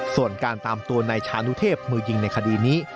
ส่วนการตามตัวนายชานุเทพมือยิงในคดีนี้